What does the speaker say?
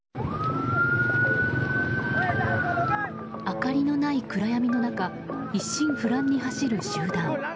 明かりのない暗闇の中一心不乱に走る集団。